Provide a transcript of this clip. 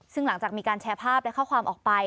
ซึ่งหลังจากมีการแชร์ภาพและข้อความออกไป